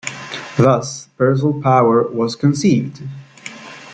Thus, Persil Power was conceived.